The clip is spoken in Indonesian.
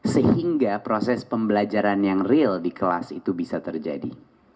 sehingga proses pembelajaran yang real di kelas itu bisa terjadi